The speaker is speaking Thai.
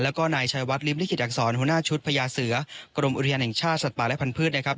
แล้วก็นายชัยวัดริมลิขิตอักษรหัวหน้าชุดพญาเสือกรมอุทยานแห่งชาติสัตว์ป่าและพันธุ์นะครับ